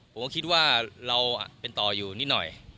ผมก็คิดว่าเราเป็นต่ออยู่นิดหน่อย